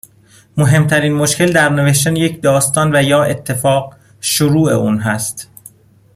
مهم ترین مشکل در نوشتن یک داستان و یا اتفاق ، شروع اون هست.